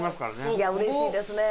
いやうれしいですね。